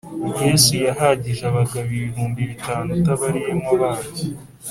Yesu yahagije abagaboibihumbi bitanu utabariyemo abana